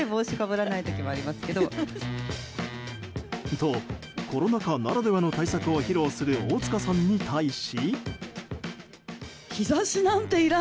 と、コロナ禍ならではの対策を披露する大塚さんに対し。